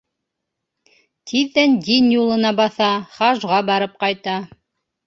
Тиҙҙән дин юлына баҫа, хажға барып ҡайта.